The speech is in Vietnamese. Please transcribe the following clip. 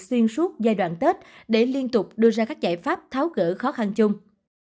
xuyên suốt giai đoạn tết để liên tục đưa ra các giải pháp tháo gỡ khó khăn chung